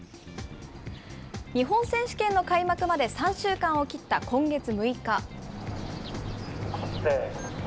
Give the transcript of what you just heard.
日本選手権の開幕まで３週間を切った今月６日。